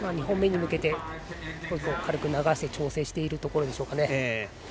２本目に向けて１個１個軽く流して調整しているところでしょうか。